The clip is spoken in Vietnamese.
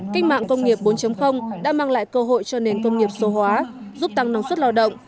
cách mạng công nghiệp bốn đã mang lại cơ hội cho nền công nghiệp số hóa giúp tăng năng suất lao động